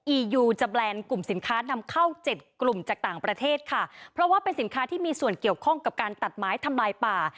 อียูจะแบรนด์กลุ่มสินค้านำเข้าเจ็ดกลุ่มจากต่างประเทศค่ะเพราะว่าเป็นสินค้าที่มีส่วนเกี่ยวข้องกับการตัดไม้ทำลายป่า